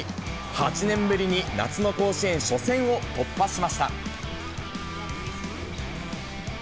８年ぶりに夏の甲子園初戦を突破しました。